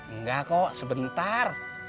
enggak kok sebentar